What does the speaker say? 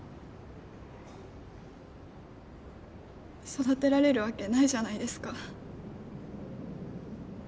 育てられるわけないじゃないですか。